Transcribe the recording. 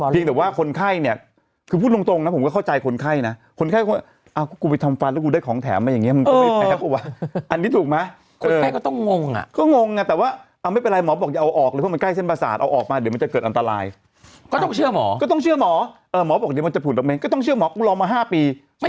แต่ว่าคนไข้เนี่ยคือพูดตรงนะผมก็เข้าใจคนไข้นะคนไข้กูไปทำฟันแล้วกูได้ของแถมมาอย่างนี้มันก็ไม่แพ้กูวะอันนี้ถูกไหมคนไข้ก็ต้องงงอ่ะก็งงอ่ะแต่ว่าเอาไม่เป็นไรหมอบอกอย่าเอาออกเลยเพราะมันใกล้เส้นประสาทเอาออกมาเดี๋ยวมันจะเกิดอันตรายก็ต้องเชื่อหมอก็ต้องเชื่อหมอหมอบอกเดี๋ยวมันจะผุดออกมาก็ต้องเชื่อหมอกูรอมา๕ปี